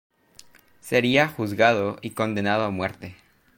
Sería juzgado y condenado a muerte.